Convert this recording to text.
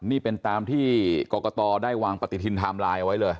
นี่เป็นตามที่กรกตได้วางปฏิทินไทม์ไลน์เอาไว้เลย